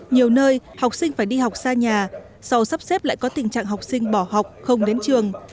nhiều nơi học sinh phải đi học xa nhà sau sắp xếp lại có tình trạng học sinh bỏ học không đến trường